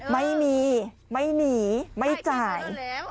ไม่มีไม่หนีไม่จ่าย